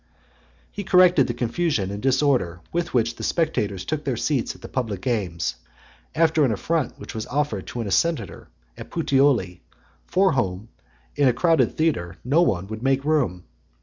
XLIV. He corrected the confusion and disorder with which the spectators took their seats at the public games, after an affront which was offered to a senator at Puteoli, for whom, in a crowded theatre, no one would make room.